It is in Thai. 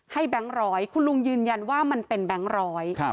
แบงค์ร้อยคุณลุงยืนยันว่ามันเป็นแบงค์ร้อย